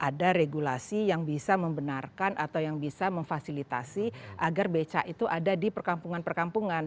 ada regulasi yang bisa membenarkan atau yang bisa memfasilitasi agar becak itu ada di perkampungan perkampungan